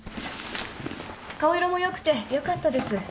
顔色も良くてよかったです